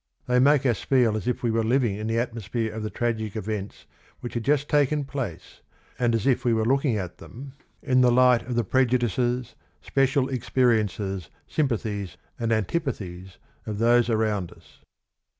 They make us feel as if we were living in the atmos phere of the tragic events which had just taken place, and as if we were looking at them in the THE OTHER HALF ROME 27 light of the prejudices, special experiences, sym pathies, and antipathies of those around us.